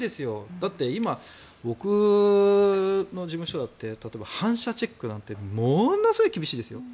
だって今、僕の事務所だって例えば反社チェックなんてものすごい厳しいですよ。